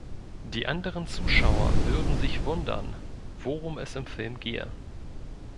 Die anderen Zuschauer würden sich wundern, worum es im Film gehe.